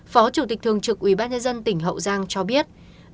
phó chủ tịch thường trực ubnd tỉnh hậu giang cho biết